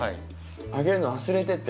あげるの忘れてて。